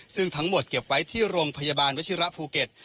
ซึ่งทั้งหมดเก็บไว้ที่โรงพยาบาลวชิระภูเก็ต